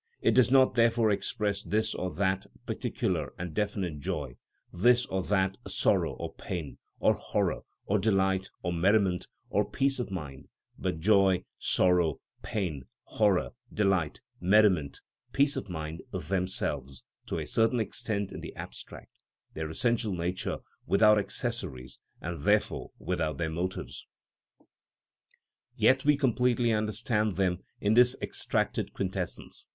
It does not therefore express this or that particular and definite joy, this or that sorrow, or pain, or horror, or delight, or merriment, or peace of mind; but joy, sorrow, pain, horror, delight, merriment, peace of mind themselves, to a certain extent in the abstract, their essential nature, without accessories, and therefore without their motives. Yet we completely understand them in this extracted quintessence.